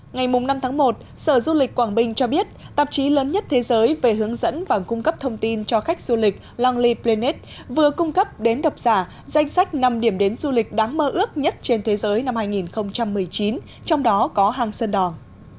ngày năm tháng một sở du lịch quảng bình cho biết tạp chí lớn nhất thế giới về hướng dẫn và cung cấp thông tin cho khách du lịch lony planet vừa cung cấp đến đọc giả danh sách năm điểm đến du lịch đáng mơ ước nhất trên thế giới năm hai nghìn một mươi chín trong đó có hang sơn đòn